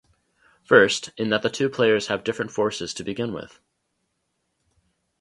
First, in that the two players have different forces to begin with.